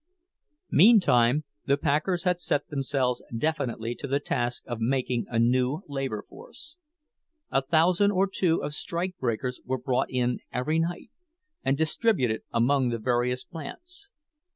Meantime the packers had set themselves definitely to the task of making a new labor force. A thousand or two of strikebreakers were brought in every night, and distributed among the various plants.